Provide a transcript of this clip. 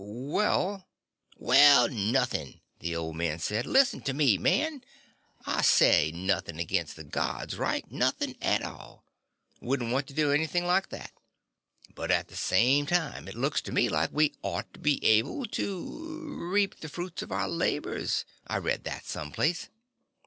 "Well " "Well, nothing," the old man said. "Listen to me, man. I say nothing against the Gods right? Nothing at all. Wouldn't want to do anything like that. But at the same time, it looks to me like we ought to be able to reap the fruits of our labors. I read that some place."